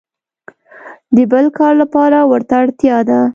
د بل کار لپاره ورته اړتیا ده.